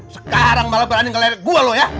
sekarang malah berani ngelerik gua lo ya